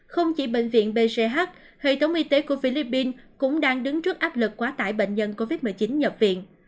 không chỉ bệnh viện bch hệ thống y tế của philippines cũng đang đứng trước áp lực quá tải bệnh nhân covid một mươi chín nhập viện